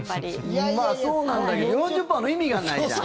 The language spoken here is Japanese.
まあそうなんだけど４０％の意味がないじゃん。